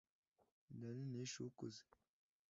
Inda nini yishe ukuze